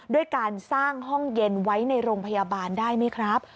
ด้วยการสร้างห้องเย็นไว้ในโรงพยาบาลได้ไหมครับ